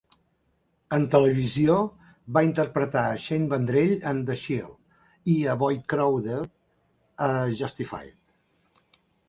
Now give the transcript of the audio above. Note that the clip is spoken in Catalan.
En televisió, va interpretar a Shane Vendrell en "The Shield" i a Boyd Crowder a "Justified".